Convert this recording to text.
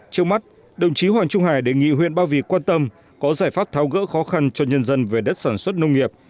trước mắt đồng chí hoàng trung hải đề nghị huyện ba vì quan tâm có giải pháp tháo gỡ khó khăn cho nhân dân về đất sản xuất nông nghiệp